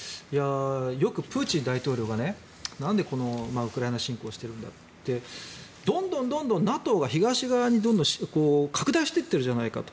よくプーチン大統領がなんでウクライナ侵攻してるんだってどんどんＮＡＴＯが東側にどんどん拡大していってるじゃないかと。